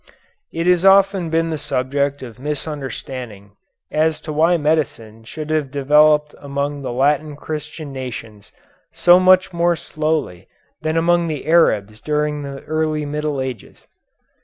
It has often been the subject of misunderstanding as to why medicine should have developed among the Latin Christian nations so much more slowly than among the Arabs during the early Middle Ages.